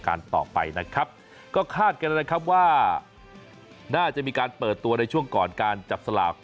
ต่อไปนะครับก็คาดกันนะครับว่าน่าจะมีการเปิดตัวในช่วงก่อนการจับสลาก